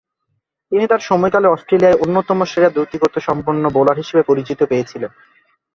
তিনি তার সময়কালে অস্ট্রেলিয়ায় অন্যতম সেরা দ্রুতগতিসম্পন্ন বোলার হিসেবে পরিচিতি পেয়েছিলেন।